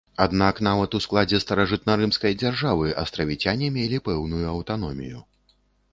Аднак нават у складзе старажытнарымскай дзяржавы астравіцяне мелі пэўную аўтаномію.